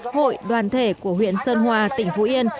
hội đoàn thể của huyện sơn hòa tỉnh phú yên